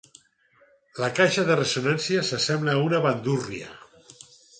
La caixa de ressonància s'assembla a una bandúrria.